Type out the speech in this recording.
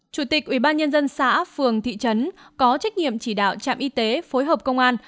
chủ tịch ubnd xã phường thị trấn có trách nhiệm chỉ đạo trạm y tế phối hợp công an